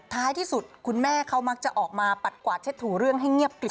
ท้ายที่สุดคุณแม่เขามักจะออกมาปัดกวาดเช็ดถูเรื่องให้เงียบกลิบ